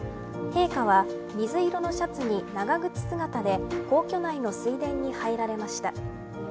陛下は水色のシャツに長靴姿で皇居内の水田に入られました。